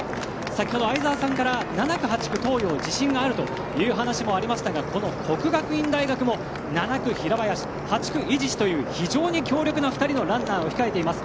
先ほど相澤さんから７区、８区は東洋自信があるという話もありましたがこの國學院大學も７区、平林８区、伊地知という非常に強力な２人のランナーが控えています。